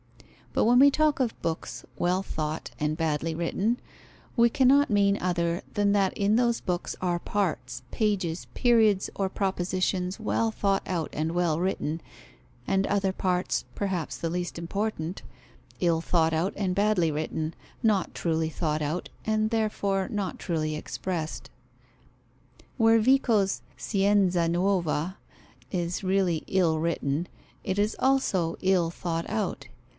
But when we talk of books well thought and badly written, we cannot mean other than that in those books are parts, pages, periods or propositions well thought out and well written, and other parts (perhaps the least important) ill thought out and badly written, not truly thought out and therefore not truly expressed. Where Vico's Scienza nuova is really ill written, it is also ill thought out.